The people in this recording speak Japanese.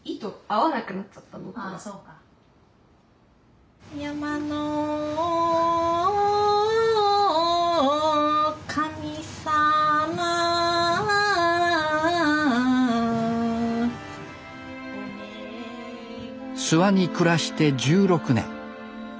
諏訪に暮らして１６年。